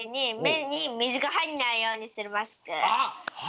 あっ！